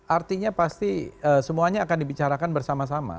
artinya pasti semuanya akan dibicarakan bersama sama